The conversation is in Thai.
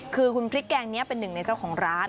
คือคุณพริกแกงนี้เป็นหนึ่งในเจ้าของร้าน